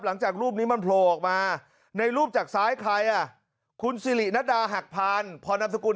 หลังจากรูปนี้มันโผล่ออกมาในรูปจากซ้ายใครอ่ะคุณสิรินัดดาหักพานพรนามสกุล